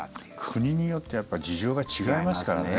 国によって事情が違いますからね。